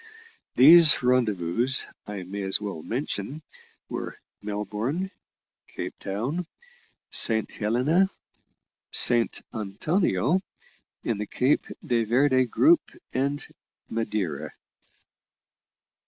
These rendezvous, I may as well mention, were Melbourne, Cape Town, Saint Helena, Saint Antonio in the Cape de Verde group, and Madeira.